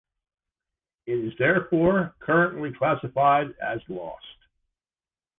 It is therefore currently classified as lost.